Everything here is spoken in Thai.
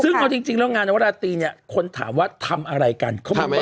ซึ่งเอาจริงเรื่องงานนวรตีเนี่ยคนถามว่าทำอะไรกัน